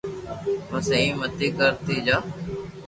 پسي ايم متي ڪر تي جا